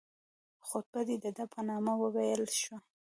خطبه دي د ده په نامه وویل شي.